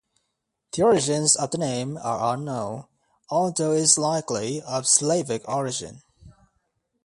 The origins of the name are unknown, although it is likely of Slavic origin.